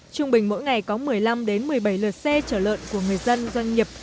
trung bình mỗi ngày có một mươi năm một mươi bảy lượt xe chở lợn của người dân doanh nghiệp